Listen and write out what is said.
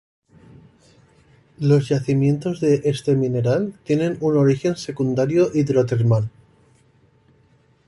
Los yacimientos de este mineral tienen un origen secundario hidrotermal.